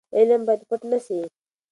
علم باید پټ نه سي.